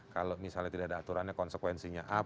kalau misalnya tidak ada aturannya konsekuensinya apa